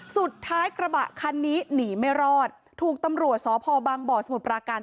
สุดท้ายกระบะคันนี้หนีไม่รอดถูกตำรวจสภบสมุทรปราการ